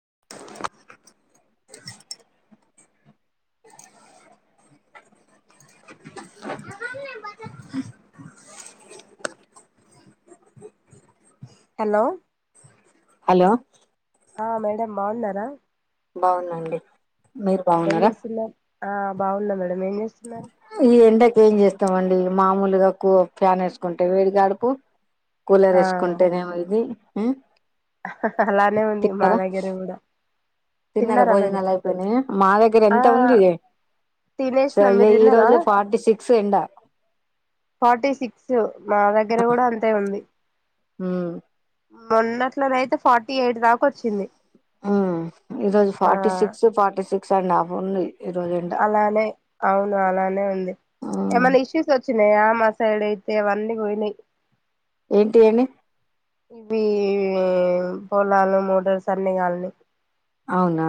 [unintelligible] Hello hello ఆ madam బాగున్నారా బాగుందండి ఏం చేసంద ఆ బాగున్నా మేడం రమేస్తున్నారు ఈ ఎండకి ఏం చేస్తామండి మామూలుగాకు ఫ్యాన్ వేసుకుంటే వేడిగాడుపు కూలర్ ఆ వేసుకుంటేనేమో ఇది హ అలానే ఉంది మా దగ్గర కూడా తిన్నర తిన్నారా మేడం భోజనాలు అయిపోయినాయి మా దగ్గర ఆ ఎంత ఉంది తినేసిన మీరు తిన్నారా ఈరోజు ఫార్టీ సిక్స్ ఎండ ఫార్టీ సిక్స్ మా దగ్గర కూడా అంతే మొన్న తేర్ ఇజు ఆ ఫార్టీ సిక్స్ ఫార్టీ సిక్స్ కుక్కసారి నా బోని అలానే అవును అలానే ఉంది ఉమ్ ఏమైన్నా ఇష్యూస్ వ వ చిన ఆ మా సైడు అయితేవన్నీ పోయినాయి ఏంటి అడి ఇవి పొలాలు మూడలు సన్నగాలిని అవునా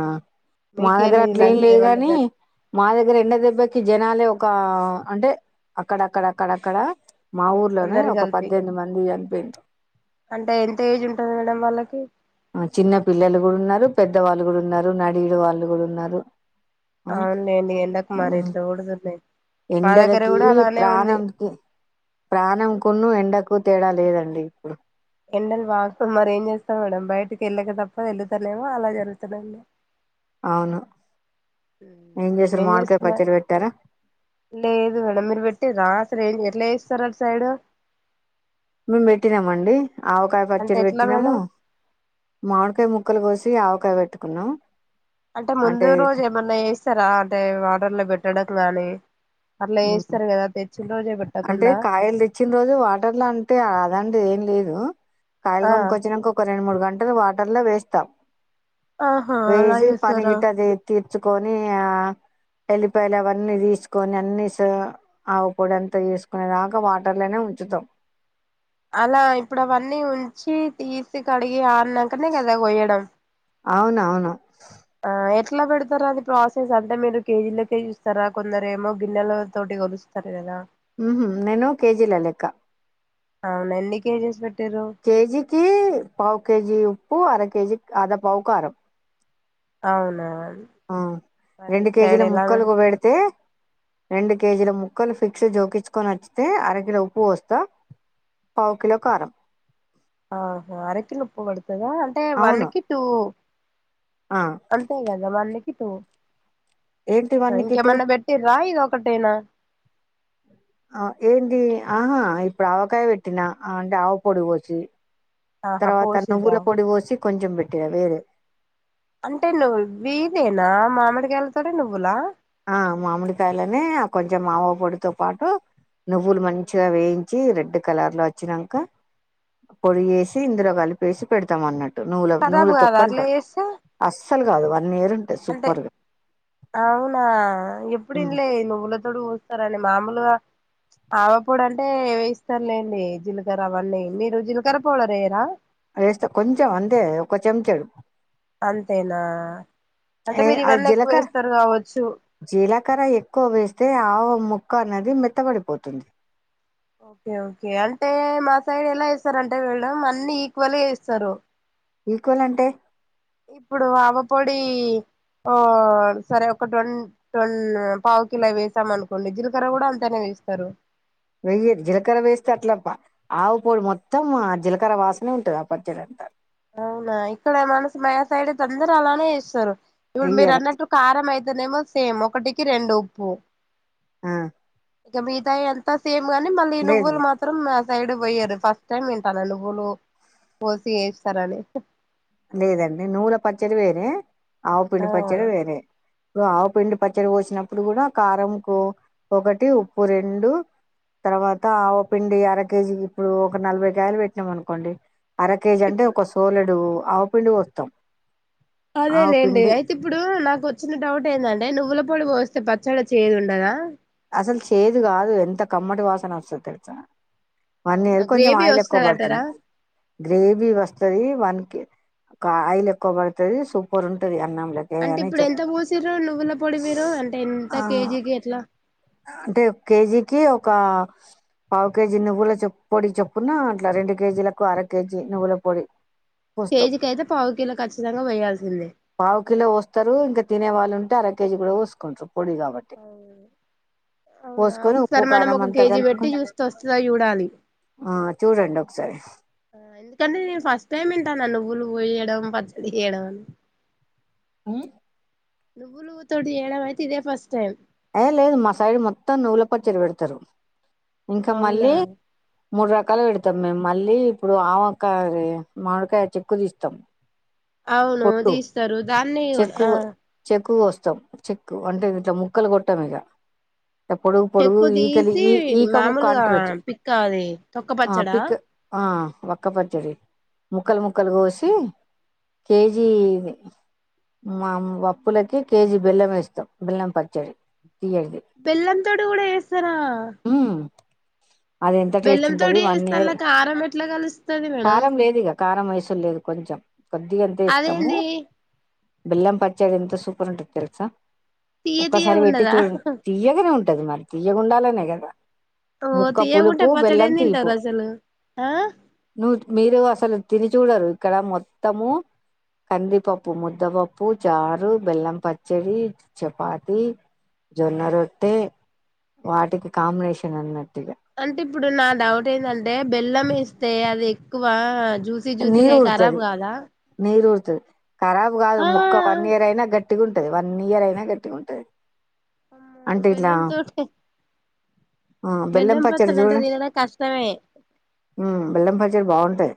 మా దగ్గర అట్లే ఏం ఇలాంటివి లేదు ఏమన్నా కాని జరి మా దగ్గర ద్గర ఎెండో దెబ్బకి జనాలే ఒక అంటే అక్కడక్కడ అక్కడక్కడ అందరి కలిపి చనిపోయిండ్రు అంటే ఎంత ఏజ్ ఉంటుంది మేడం వాళ్ళకి చిన్న పిల్లలు కూడా ఉన్నారు పెద్దవాళ్ళు కూడా ఉన్నారు నడయుడు వాళ్ళు కూడా ఉన్నారు అవునులేండి ఎండకు మరి ఎట్లా కొడుతున్నాయి మా దగ్గర ఎండలకి కూడా అలానే ఉంది ప్రాణంకి ప్రాణం కొన్ని ఎండకు ఎక్కువ తేడా లేదండి ఇప్పుడు ఎండలు వాస్త మరి ఏం చేస్తాం మేడం బయటకి వెళ్ళక తప్ప వెళతాలేమో అలా జరుగుతున్నాండి అవును చేసారు ఏం మామిడికాయ చేస్తునారు పచ్చడి పెట్టారా లేదు మేడం మీరు పెట్టిరా శ్రేణ ఎట్ల చేస్తారు అటు సైడ్ మేము పెట్టినామండి ఆవకాయ అంటే పచ్చడి ఎట్లా పెట్టినాము మేడం మామిడికాయ ముక్కలు కోస తి ఆవకాయ పెట్టుకున్నాం అంటే ముందు రోజు ఏమన్నా వేస్తారా అంటే వాటర్ లో పెట్టడం గాని అట్లా హ్మ్ చేస్తారు కదా తెచ్చిన రోజే అంటే పెట్టకుండా కాయలు తెచ్చిన రోజు వాటర్లో అంటే అదండి ఏం లేదు హలో కాయలు ఆ కొనుకోచ్చినాకా ఒక్కోల్ రెండు మూడు గంటలు వాటర్ లో వేస్తా ఆహా అలా చేస్తారా తెచ్చుకొని ఆ ఎల్లిపాయలు అవన్నీ తీసుకొని అన్ని బస్ ఆవు పొడి అంత చేసుకునే దాకా వాటర్లోనే ఉంచుతాం అలా ఇప్పుడు అవన్నీ ఉంచి తీసి కడిగి ఆరిన్నాకనే కదా కోయడం అవునవును ఆ ఎట్లా పెడతారా అది ప్రాసెస్ అంటే మీరు కేజీలోకే చూస్తారా కొందరు ఏమో గిన్నెల తోటి కలుస్తారు కదా హ్మ్ నేను కేజీల లెక్క అవున ఎన్ని కేజెస్ పెట్ కేజికి పావు కేజీ పూ అర కేజీ అదా పవు కారం అవునా ఆ మరి రెండు ఇటు సైడ్ కేజీల ఎలా ముక్కలులకు పెడతారు పెడితే రెండు కేజీల ముక్కలు ఫిక్స్ జోకించుకొని నచ్చితే అరకిలో ఉప్పు వస్తా పావు కిలో కారం ఆహ అరకిన ఉప్పు కొడు కదా అంటే వన్ అవును. కి టూ ఆ! అంతాే కదా మ అన్ని ఏంటి ఇంకె మొన్న పెట్టరా ఇది ఒకట్టేనా ఆ ఏంటి ఆహా ఇప్పుడు ఆవకాయ పెట్టినా అంటే ఆవ పొడు కోచ్చి ఆహా తర్వాత పోసిర్రా నువ్వుల పొడి పోసి కొంచం పెట్టర వేరు అంటే నువ్వు వీదేనా మామడి గయల తడే నువ్వులా ఆ మామిడికాయలని కొంచెం మావ పొడితో పాటు నువ్వులు మనించిగా వేయి వచ్చి రెడ్ కలర్ లో వచ్చాక పొడి వేసి ఇందులో కలిపేసి పెడతాం అన్నట్టు నూల నూల ఖరాబ్ కాదా అట్లా తొక్కంటాం చేస్తే అ సల్ కాదు నేరుంట సూపర్గా ఎప్పుడుంలే నువ్వుల తోడు పోస్తారని మామూలుగా ఆవపూడ అంటే వేయిస్తారులేండి జీలకర్ర అవన్నీ మీరు జీలకర్ర పూడ రేరా అేస్తా కొంచెం అంతే ఒక చెంచడు అంతేనా అంటే ఏ మీరు ఇవన్నీ ఎక్కువ జీలకర వేస్తారు కావచ్చు జీలకర ఎక్కువ వేస్తే ఆ ముొక్క అన్నది మెత్తబడిపోతుంది ఓకే ఓకే అంటే మా సైడ్ ఎలా ఇస్తారంటే వెళ్డం అన్ని ఈక్వల్గా చేస్తారు బిల్కువల్ అంటే ఇప్పుడు ఆవపొడి ఓ సరే ఒక ట్న్ న్ పావు కిలోవి వేసాం అనుకోండి జీలకర్ర కూడా అంతానే వేస్తారు వెయ్యదు జీలకర్ర వేస్తే అట్ల ఆవుపొడి మొత్తం ఆ జీలకర్ర వాసనే ఉంటుది ఆ పచ్చడి అంతారు అవునా ఇక్కడే మనసు మా సైడ్ త అందర అలానే చేస్తారు ఇవ మీరు వెయ్యరు అన్నట్టుకు ఆరామయిది అదనేమో సేమ్ ఒకటికి రెండు ఉప్పు ఆ ఇక బీదాయి ఎంత సేఫ్ కానీ మళ్ళీ లేదు నువ్వులు లే- మాత్రం సైడ్ పోయారు ఫస్ట్ టైమ్ వింటాాల నువ్వులు పోసిేసి తారే లేదండి నూల పచ్చడి వేరే ఆ పిండి పచ్చడి వేరే ఇప్పుడు ఆవపిండి పచ్చడి పోసినప్పుడు కూడా కారం కు ఒకటి ఉప్పు రెండు, తర్వాత ఆవపిండి అర కేేజీ ఇప్పుడు ఒక నలభై కాయలు పెట్టినాం అనుకోండి, అర కేేజీ అంటే ఒక సోలేడు ఆవుపిండి పొస్తాం అదేలేండి అయితే ఇప్పుడు నాకు వచ్చిన డౌట్ ఏందంటే నువ్వుల ఇప్పుడు పోస్తే పచ్చడి చేయదు ఉండదా అసలు చేదు కాదు ఎంత కమ్మటి వాసన వస్తది తెలుస వన్ అవునా ఇయర్ కొంచెం గ్రేవీ ఆయిల్ ఎక్కువ వస్తదంటారా పడుతుంది గ్రేవీ వస్తది వన్ కే ఒక ఆయిల్ ఎక్కువ పడుతది సూపర్ ఉంటది అన్నంలకే అంటే అని ఇప్పుడు చెప్ ఎంత పోసిరు నువ్వుల పొడి మీరు అంటే ఎంత ఆ కేజీకి ఎట్లా అంటే ఒక కేజీకి ఒక పావు కేజీ నువ్వుల చే పొడి చొప్పున అట్లా రెండు కేజీలకు అర కేజీ నువ్వుల పొడి పోస్తాం కేజీకియితే పావు కిలో ఖచ్చితంగా వేయాల్సిందే పావు కిలో పోస్తారు ఇంకా తినే వాళ్ళుంటే అర కేజీ కూడా పోసుకుంట్రు పొడి కాబటి అవునా ఒకసారి మనం ఒక కేజీ పెట్టి కలుపుకొని చూస్త వస్తుందా చూడాలి డి ఒకసారి ఎందుకంటే నేను ఫస్ట్ టైమ్ వింటా నా నువ్వులు కోయడం పచ్చడిడం మ్ నువ్వులు తోటి చేయడం ఐతే ఇదే ఫస్ట్ టైం ఏ లేదు మా సైడ్ మొత్తం నువ్వుల పచ్చడి పెడుతారు ఇంక అవునా మళ్ళీ మూడు రకాలు పెడుతాం మేం మళ్ళీ ఇప్పుడు ఆమకాయ్ ది మామిడికాయ చెక్కు తీస్తాం అవును పొట్టు తీస్తారు దాన్ని కూడా చెక్కు ఆ చెక్కు కోస్ తం చెక్కు అంటే ఇట్లా ముక్కలు కొట్టాం ఇగ త పొడుగు పొడుగు చెక్కు ఈకలి తీసి ఈ ఈకముక్క మామూలుగా అంటరు జు పిక్క అది తొక్క ఆ పచ్చడా పిక్ ఆ వొక్క పచ్చడి ముక్కలు ముక్కలు కోసి కేెజీ మా వప్పులకి కేజీ బెల్లం ఏస్తాం బెల్లం పచ్చడి తీయటిది బెల్లంతోటి కూడా ఏస్తరా ఉమ్ అది ఎంత టేస్ట్ ఉంటది వన్ ఇయర్ అలా కారం ఎట్లా కలుస్తది మేడం కారం లేదు ఇగ కారం వేసుడు లేదు కొంచెం కొద్దిగా అంతే ఏస్తాము అదేంది బెల్లం పచ్చడి ఎంత సూపర్ ఉంటది తెలుసా తీయ ఒక్కసారి తీయగా వేట్టి ఉండదా చూడు తియ్యగనే ఉన్ టది మరి తియ్యగుండాలనే కదా ఓ ముక్క పులుపు తీయకుంటే పచ్చడి బెల్లం ఏం తీపు తింటారు అసలు ఆ న్ మీరు అసలు తిని చూడరు ఇక్కడ మొత్తము కందిపప్పు మ పెద్దపప్పు చారు బెల్లం పచ్చడి, చపాతి, జొన్న రొట్టె, వాటికి కాంబినేషన్ అన్నట్టు అంటే ఇప్పుడు నా డౌట్ ఏంటంటే బెల్లం వేస్తే అది ఎక్కువ జ్యూసి జ్యూసీ కరాబ్ కదా తె కరాబ్ కాదు ముక్క వన్ ఇయర్ అయినా గట్టిగం వన్ ఇయర్ అయినా కట్టి ఉంటది అ అంటే ఇట్లా బెల్లం తోటే బెల్లం పచలు పచ్చడి చుడ అంటే తినడం కష్టమే మ్ బెల్లం ళ్ళు బాగుంటాయి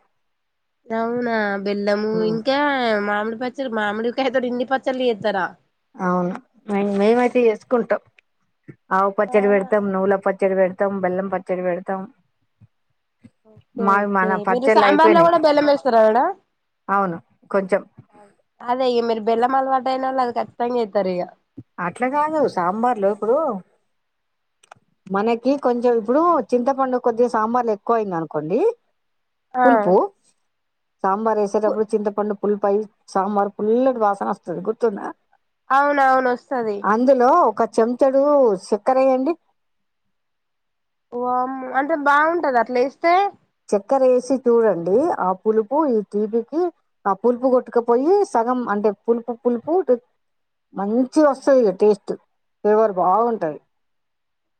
అవునా బెల్లము ఇంకా మామిడి పచ్ [unintelligible] మామిడి కాయ్ తోటి ఇన్ పచ్చళ్ళు చేతర అవును మేం మేముయితే చేసుకుంటాం అవ పచ్చరి పెడతమ్ ఓకే నువులా ప పచ్చడి పెడుతాం బెలం పచ్చడి పెడతాం ఒకే మావి ఒకే మన మీరు పచ్చళ్ళు సాంబార్ లో అయిపోయినాయి కూడా బెల్లం వేస్తారా మేడం అవును కొంచెం ఆహా వేయం బెల్లం అలవటయిన అది కచ్చతింగ అట్లా కాదు సాంబార్లు ఇప్పుడు మనకి కొంచెం ఇప్పుడు చింతపండు కొద్దిగా సాంబార్లు ఎక్కువ అయింది అనుకోండి ఆ పులుపు సాంబార్ వేసే టప్పుడు చింత పుండు ఫుల్ పై సాంబార్ ఫుల్ వాసన వస్తాది గుర్తుందా అవునవును వస్తది అందులో ఒక చెంచడు సక్కరా వేయండి వామ్మో అం తే బాగుంటదా అట్లా వేస్తే చక్కర వేసి చూడండి ఆ పులుపు ఈ తీపికి ఆ పులుపు కొట్టుకపోయి సగం అంటే పులుపు పులుపు మంచిగా వస్తది ఇగ టేస్ట్ ఫ్లేవర్ బాగుంటది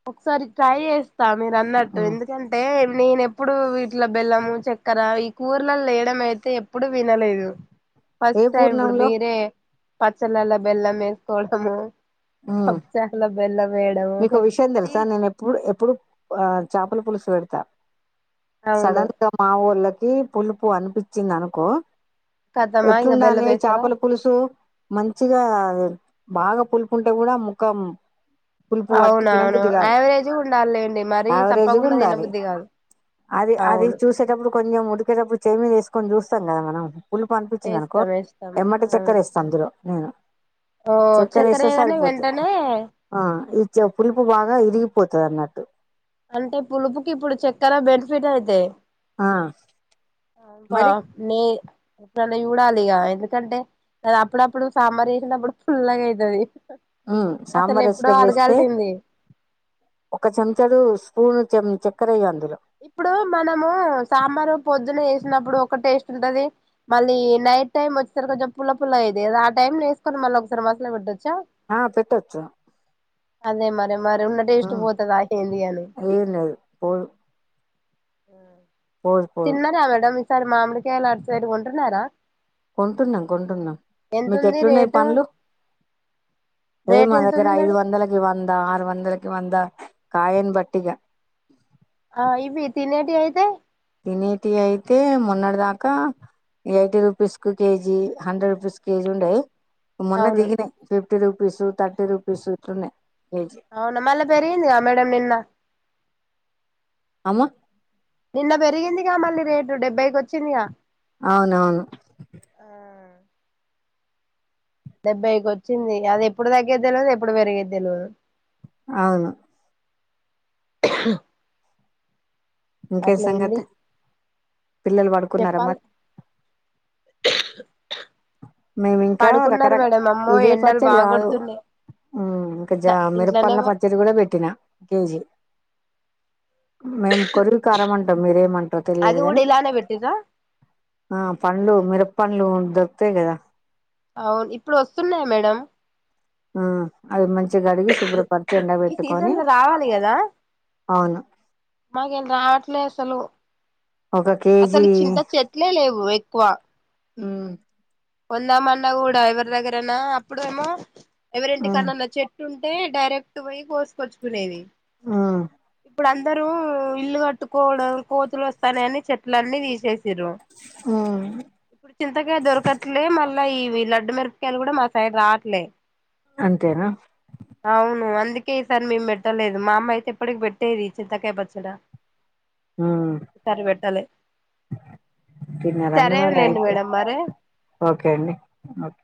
ఒకసారి ట్రై చేస్ తాను మీరు అన్నట్టు ఉమ్. ఎందుకంటే నేనెప్పుడు వీటిలో బెల్లము చక్కెర ఈ కూరల లో వేయడం అయితే ఎప్పుడు వినలేదు ఏ ఫస్ట్ టైం ఇప్పుడు పూర్ణంలో మీరే పచ్చ నల్ల బెల్లం వేసుకోవడము ఉమ్. పప్పుచార్ల బెల్లం వేయడం సా నేనెప్పుడు ఎప్పుడు ప ఆ చాపల పులుసు పెడతా అవును సడన్ గా మావోల్లక్ పులుపు అనిపిచ్చిందనుకో కథమా ఇంక బెల్లం ఎట్లుండాలే వేస్తారా చాపల పులుసు మంచిగా బాగా పులుపుంటే కూడా ముఖం పులుపు పట్టి అవునవును తినబుద్ధిగాదు యావరేజ్ ఉండాలిలేండి మరీ సప్పకుండా యావరేజ్గుండాలి. తినబుద్ధి కాదు అది అది అవును చూసేటప్పుడు కొంచెం ఉడికేటప్పుడు చెయి మీదేస్ కొన్ని చూస్తాం కదా మనం పుల్లుపనిపించిందనుకో వేస్తాం వేస్తాం ఎమ్మటే ఆ చెక్కరేస్త అందులో అ [inaudible] ఓ చెక్కరేయాగానే వెంటనే ఇచ్చ పులుపు బాగా ఇరిగిపోతదన్నట్టు అంటే పులుపుకి ఇప్పుడు చెక్కర బెనిఫిట్ అయితే ఆ బ మరి నే అప్పుడల్ల చూడాలిగ ఎందుకంటే అది అప్పుడప్పుడు సాంబార్ చేసినప్పుడు పుల్లగయితది ఉమ్ సాంబార్ చేసెటప్పుడు వేస్తే ఒక చెంచడు స్పూన్ చెం చెక్కరెయ్యాలి ఇప్పుడు మనము సాంబారు పొద్ ద్దున చేసినప్పుడు ఒక టేస్ట్ ఉంటది. మళ్ళీ నైట్ టైం వచ్చేసరి కొంచెం పుల్ల పుల్లగైద్ది కదా ఆ టైం ల వేసుకొని మళ్ళొకసారి మసలపెట్టొ ఆ పెట్టొచ్చు అదే మర్ మరె ఉన్న టేస్ట్ ఉమ్ పోతదా ఏంది అని ఏం లేదు పోదు ఆ పోదు [inaudible] పోదు తిన్నరా మేడం ఈసారి మామిడికాయలు అటు సైడ్ కొంటున్నారా కొంటున్నాం కొంటున్నాం మీకు ఎంతుంది ఎట్లున్నాయి రేటు పండ్లు. ఏ రేట్ మా దగ్గర ఎంతుంది ఐదు మేడం వందలకి వం ద ఆరు వందలకి వంద కాయన్ బట్టిగా ఆ ఇవి తినేటి అయితే తినేటి అయితే మొన్నటి దాకా ఎయిటీ రూపీస్ కు కేజీ హండ్రెడ్ రూపీస్ కేజీ ఉండే మొన్న అవును దిగినయి fifty rupees thirty rupees ఇట్టున్నాయ్ అవునా మళ్ళా పెరిగిందిగా మేడం నిన్న, అమ్మ నిన్న పెరిగిందిగా మళ్ళీ రేటు డెబ్బైకి వచ్చిందిగా, అవునవును ఆ డెబ్బైకి వచ్చింది అది ఎప్పుడు. తగ్గే తెల్వద్ ఎప్పుడు పెరిగేది తెలివదు, అవును ఇంకా ఎ అట్లా ఉంది సంగతి, పిల్లలు పడుకున్నార చెప్పాలి మరి, [unintelligible] మేమి ఇంకా పడుకున్నారు రకరక. మేడం అమ్మో ఇదే ఎండలు పచ్చడి బాగా కాదు కొడుతున్నాయి ఇంకా ఇంట్లా జ మిరప ఇంట్లోనే పండ్ల పచ్చడి కూడా పెట్టినా కేజీ, మేము కొరివి కారంమంటాం మీరేమంటారో అది తెలియదు కూడా గాని, ఇలానే పెట్టిర్రా ఆ పండ్లు మిర పండ్లు దొరుకుతాయిగా కదా, అవును ఇప్పుడు వస్తున్నాయి మేడమ్, ఊ అది మంచి, ఈ సీజన్ లో రావాలి కదా అవును మాకేం రావట్లే అసలు ఒక కేజీ అసలు చింత చెట్లే లేవు ఎక్కువ ఊ కొందామాన్నకుడ ఎవర దగ్గరనా అప్పుడు ఏమో, ఎవరి ఇంటి మ్మ్ కన్నా చెట్టు ఉంటే, అంటే డైరెక్ట్ పోయి కోసుకొచ్చుకునేది, ఆ ఇప్పుడు అందరూ. ఇల్లు కట్టుకోవడం కోతులు వస్తానేయని చెట్లన్నీ తీసేసి, తీసిరు మ్మ్ చింతకాయ దొరకట్లే మళ్ళీ, ఇవి లడ్డు మిరపకాయలు కూడా మా సైడ్ రావట్లే, అంతేనా అవును అందుకే ఈసారి మేము. పెట్టలేదు మా అమ్మ అయితే ఎప్పటికి పెట్టేది చింతకాయ పచ్చడా, మ్మ్ ఈసారి పెట్టాలే, తిన్నారా అండి సరే వేర లేండి అయితే మేడం మరి ఓకే అండి ఓకే,